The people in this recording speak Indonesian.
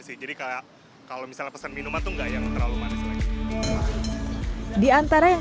sih jadi kayak kalau misalnya pesan minuman tuh enggak yang terlalu manis lagi diantara yang